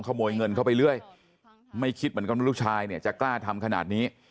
ขโมยเงินเข้าไปเรื่อยไม่คิดเหมือนกันว่าลูกชายเนี่ยจะกล้าทำขนาดนี้